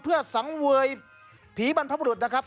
เพื่อสังเวยผีบรรพบรุษนะครับ